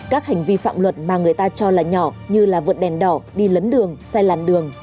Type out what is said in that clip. các hành vi phạm luật mà người ta cho là nhỏ như là vượt đèn đỏ đi lấn đường sai làn đường